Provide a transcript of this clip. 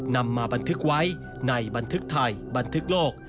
นำมาบันทึกไว้ในบันทึกไทยบันทึกโลก